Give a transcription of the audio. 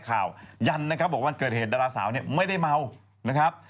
ยันนะครับบอกวันเกิดเหตุดาราสาวเนี่ยไม่ได้เมานะครับ